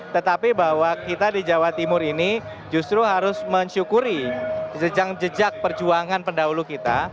tetapi bahwa kita di jawa timur ini justru harus mensyukuri jejak jejak perjuangan pendahulu kita